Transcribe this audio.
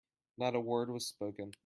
Not a word was spoken.